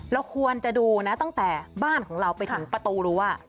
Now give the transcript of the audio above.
เราควรจะดูนะตั้งแต่บ้านของเราไปถึงประตูรั้ว